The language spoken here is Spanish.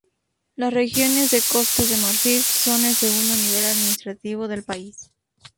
Las regiones de Costa de Marfil son el segundo nivel administrativo del país.